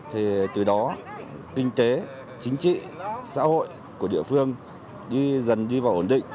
thì từ đó kinh tế chính trị xã hội của địa phương đi dần đi vào ổn định